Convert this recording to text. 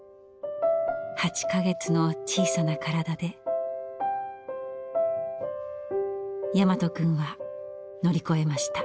８か月の小さな体で大和くんは乗り越えました。